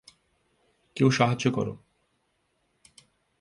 কেউ সাহায্য করো!